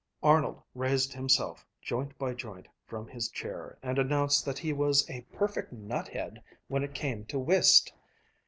Arnold raised himself, joint by joint, from his chair, and announced that he was a perfect nut head when it came to whist.